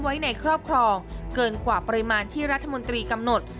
ไว้ในครอบครองเกินกว่าปริมาณที่รัฐมนตรีกำหนด